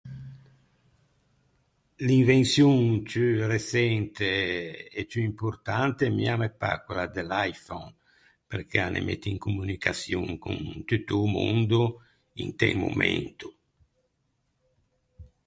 L’invençion ciù reçente e ciù importante mi a me pâ quella de l’iPhone, perché a ne mette in communicaçion con tutto o mondo inte un momento.